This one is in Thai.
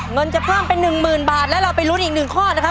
เงินจะเพิ่มเป็น๑๐๐๐บาทแล้วเราไปลุ้นอีก๑ข้อนะครับ